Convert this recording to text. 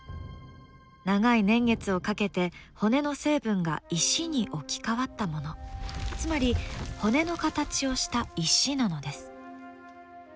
長い年月をかけて骨の成分が石に置き換わったものつまり骨の形をした石なのです。